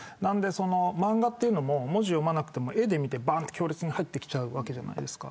漫画というのも文字を読まなくても絵で見て強烈に入ってくるわけじゃないですか。